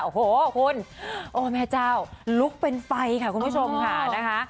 โอ้โหคุณโอ้แม่เจ้าลุกเป็นไฟค่ะคุณผู้ชมค่ะนะคะ